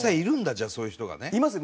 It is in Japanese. じゃあそういう人がね。いますね！